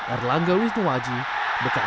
erlangga wisnuwaji bekasi